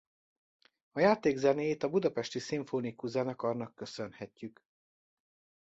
A játék zenéjét a Budapesti Szimfonikus Zenekarnak köszönhetjük.